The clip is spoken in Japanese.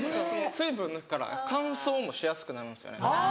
水分抜くから乾燥もしやすくなるんですよね。